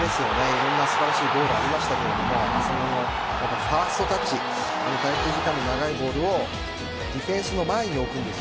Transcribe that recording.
いろんな素晴らしいゴールありましたが浅野のファーストタッチ滞空時間の長いボールをディフェンスの前に置くんです。